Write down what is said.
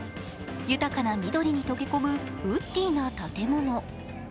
豊かな緑に溶け込むウッディーな建物。